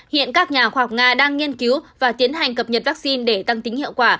hiện các nhà khoa học nga đang nghiên cứu và tiến hành cập nhật vaccine để tăng tính hiệu quả